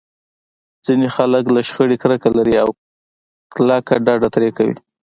ځينې خلک له شخړې کرکه لري او کلکه ډډه ترې کوي.